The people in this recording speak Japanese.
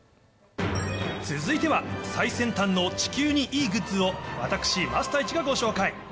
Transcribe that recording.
続いては、最先端の地球にいいグッズを、私、桝太一がご紹介。